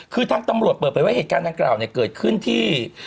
คือทางตำรวจเปิดไปว่าเหตุการณ์ดังกล่าวเนี่ยเกิดขึ้นที่